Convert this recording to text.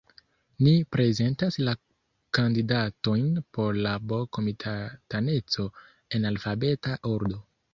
Ni prezentas la kandidatojn por la B-komitataneco en alfabeta ordo.